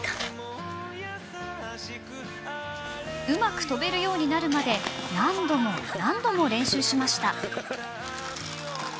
うまく飛べるようになるまで何度も何度も練習しました。